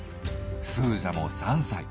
スージャも３歳。